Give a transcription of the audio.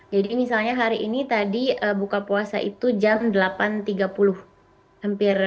jadi misalnya hari ini tadi buka puasa itu jam delapan tiga puluh hampir sembilan